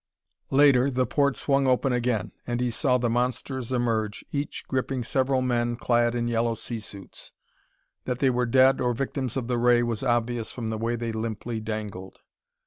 Later the port swung open again, and he saw the monsters emerge, each gripping several men clad in yellow sea suits! That they were dead, or victims of the ray, was obvious from the way they limply dangled.